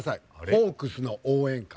ホークスの応援歌。